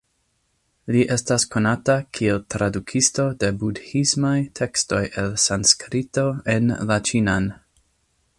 Li estas konata kiel tradukisto de budhismaj tekstoj el Sanskrito en la ĉinan.